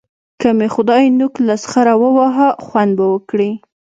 که مې خدای نوک له سخره وواهه؛ خوند به وکړي.